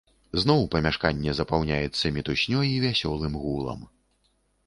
Зноў памяшканне запаўняецца мітуснёй і вясёлым гулам.